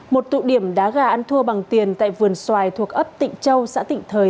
một tụ điểm đá gà ăn thua bằng tiền tại vườn xoài thuộc ấp tịnh châu xã tịnh thời